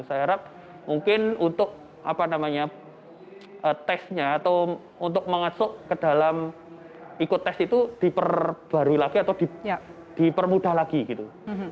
saya harap mungkin untuk apa namanya tesnya atau untuk mengasuh ke dalam ikut tes itu diperbarui lagi atau dipermudah lagi gitu